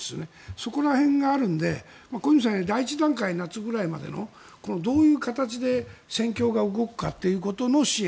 そこら辺があるので小泉さんが言うように第１段階夏ぐらいまでのどういう形で戦況が動くかということの支援。